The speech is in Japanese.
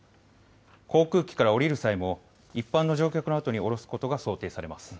航空機から降りる際も一般の乗客のあとに降ろすことが想定されます。